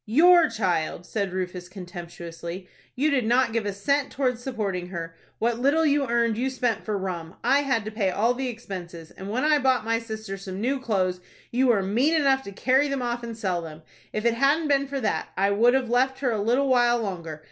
"Your child!" said Rufus, contemptuously. "You did not give a cent towards supporting her. What little you earned you spent for rum. I had to pay all the expenses, and when I bought my sister some new clothes, you were mean enough to carry them off and sell them. If it hadn't been for that, I would have left her a little while longer.